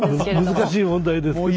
難しい問題ですけど。